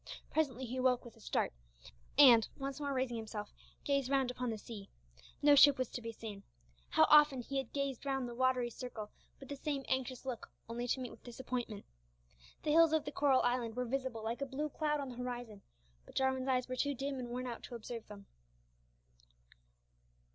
Presently he awoke with a start, and, once more raising himself, gazed round upon the sea. No ship was to be seen. How often he had gazed round the watery circle with the same anxious look only to meet with disappointment! The hills of the coral island were visible like a blue cloud on the horizon, but Jarwin's eyes were too dim and worn out to observe them.